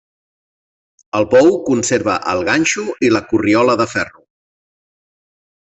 El pou conserva el ganxo i la corriola de ferro.